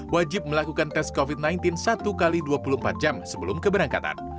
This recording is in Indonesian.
wajib melakukan tes covid sembilan belas satu x dua puluh empat jam sebelum keberangkatan